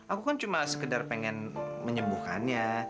aku kan cuma sekedar pengen menyembuhkannya